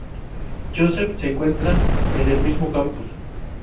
Joseph se encuentran en el mismo campus.